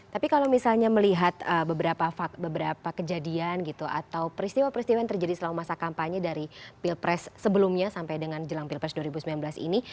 tapi kalau misalnya melihat beberapa kejadian gitu atau peristiwa peristiwa yang terjadi selama masa kampanye dari pilpres sebelumnya sampai dengan jelang pilpres dua ribu sembilan belas ini